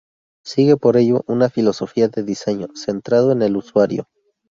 Sigue por ello una filosofía de diseño centrado en el usuario.